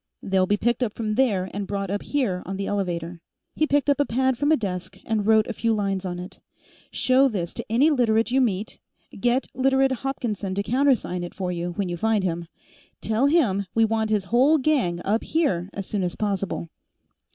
They'll be picked up from there and brought up here on the elevator." He picked up a pad from a desk and wrote a few lines on it. "Show this to any Literate you meet; get Literate Hopkinson to countersign it for you, when you find him. Tell him we want his whole gang up here as soon as possible."